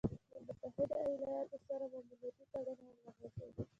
د متحده ايالاتو سره مو امنيتي تړون هم لغوه شو